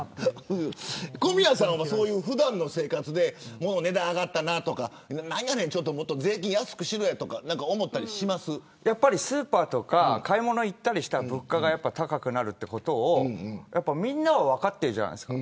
小宮さんはそういう普段の生活で値段が上がったな、とか税金、安くしろよとかスーパーとか買い物に行ったら物価が高くなることを、みんなは分かってるじゃないですか。